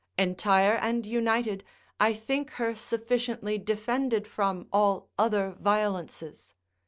Entire and united, I think her sufficiently defended from all other violences.